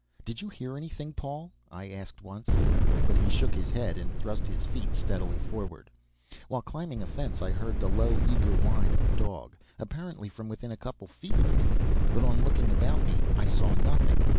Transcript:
"Did you hear anything, Paul?" I asked once. But he shook his head, and thrust his feet steadily forward. While climbing a fence, I heard the low, eager whine of a dog, apparently from within a couple of feet of me; but on looking about me I saw nothing.